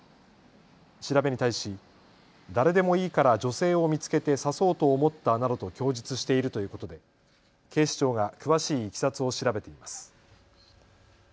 調べに対し誰でもいいから女性を見つけて刺そうと思ったなどと供述しているということで警視庁が詳しいいきさつを調べています。